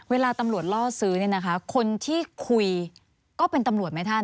เวลาตำรวจล่อซื้อเนี่ยนะคะคนที่คุยก็เป็นตำรวจไหมท่าน